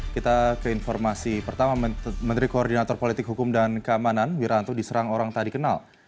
kita ke informasi pertama menteri koordinator politik hukum dan keamanan wiranto diserang orang tak dikenal